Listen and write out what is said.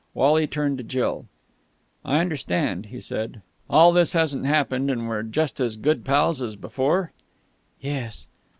Wally turned to Jill. "I understand," he said. "All this hasn't happened, and we're just as good pals as before?" "Yes."